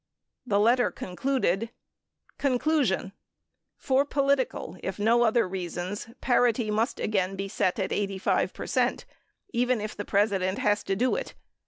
The letter concluded : Conclusion. For political, if no other reasons, parity must again be set at 85 percent, even if the President has to do it.